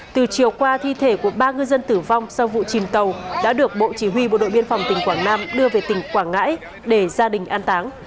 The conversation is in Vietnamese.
từ chiều qua thi thể của ba ngư dân tử vong sau vụ chìm tàu đã được bộ chỉ huy bộ đội biên phòng tỉnh quảng nam đưa về tỉnh quảng ngãi để gia đình an táng